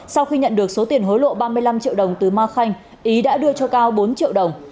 sau khi nhận được số tiền hối lộ ba mươi năm triệu đồng từ ma khanh ý đã đưa cho cao bốn triệu đồng